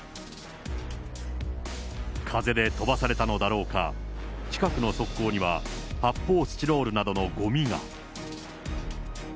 風で飛ばされたのだろうか、近くの側溝には発砲スチロールなどのごみが。